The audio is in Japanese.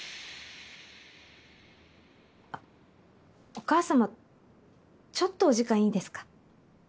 お母様ちょっとお時間いいですか？